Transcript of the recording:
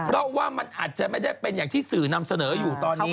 เพราะว่ามันอาจจะไม่ได้เป็นอย่างที่สื่อนำเสนออยู่ตอนนี้